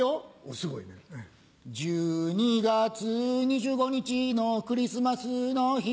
すごいね。１２ 月２５日のクリスマスの日